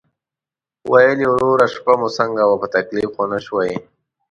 ویل یې: "وروره شپه مو څنګه وه، په تکلیف خو نه شوئ؟"